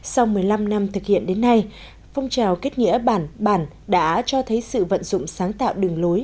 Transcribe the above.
sau một mươi năm năm thực hiện đến nay phong trào kết nghĩa bản bản đã cho thấy sự vận dụng sáng tạo đường lối